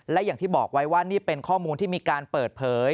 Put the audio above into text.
และอย่างที่บอกไว้ว่านี่เป็นข้อมูลที่มีการเปิดเผย